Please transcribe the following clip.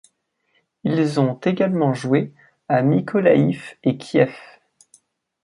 Ils ont également joué à Mykolaïv et Kiev.